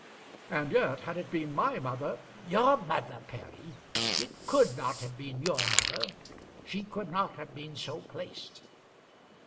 "And yet had it been my mother " "Your mother, Perry! It could not have been your mother. She could not have been so placed."